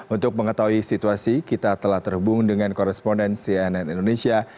untuk mengetahui situasi kita telah terhubung dengan koresponden cnn indonesia